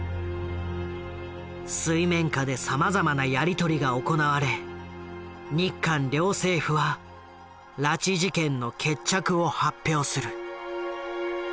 水面下でさまざまなやり取りが行われ日韓両政府は拉致事件の決着を発表する。